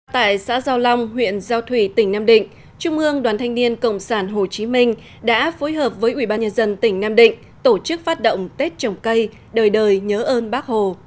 tại xã giao long huyện giao thủy tỉnh nam định trung ương đoàn thanh niên cộng sản hồ chí minh đã phối hợp với ủy ban nhân dân tỉnh nam định tổ chức phát động tết trồng cây đời đời nhớ ơn bác hồ